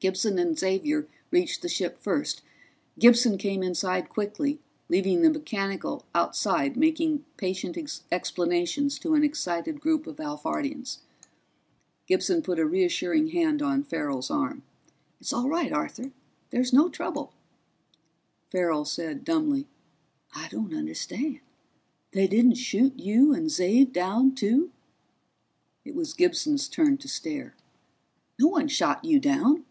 Gibson and Xavier reached the ship first; Gibson came inside quickly, leaving the mechanical outside making patient explanations to an excited group of Alphardians. Gibson put a reassuring hand on Farrell's arm. "It's all right, Arthur. There's no trouble." Farrell said dumbly, "I don't understand. They didn't shoot you and Xav down too?" It was Gibson's turn to stare. "No one shot you down!